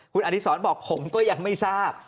คุณอดิษรบอกผมก็ยังไม่ทราบ